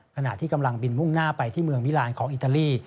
ขณะที่กำลังบินมุ่งหน้าไปที่เมืองมิลานของอิตาลี